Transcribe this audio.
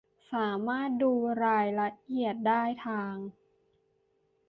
สามารถดูรายละเอียดได้ทาง